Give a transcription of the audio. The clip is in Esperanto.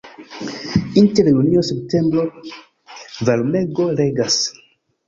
Inter junio-septembro varmego regas.